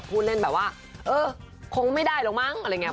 พูดเล่นแบบว่าเออคงไม่ได้หรอกมั้งอะไรอย่างนี้